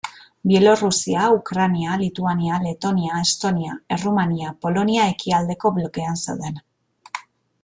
Bielorrusia, Ukraina, Lituania, Letonia, Estonia, Errumania, Polonia ekialdeko blokean zeuden.